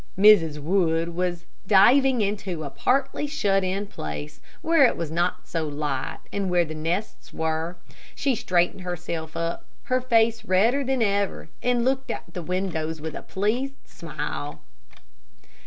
Mrs. Wood was diving into a partly shut in place, where it was not so light, and where the nests were. She straightened herself up, her face redder than ever, and looked at the windows with a pleased smile.